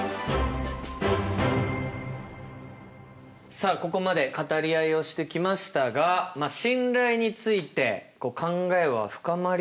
さあここまで語り合いをしてきましたが信頼について考えは深まりましたでしょうか？